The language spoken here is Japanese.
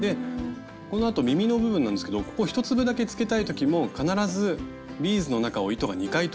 このあと耳の部分なんですけどここ１粒だけつけたい時も必ずビーズの中を糸が２回通るようにしましょう。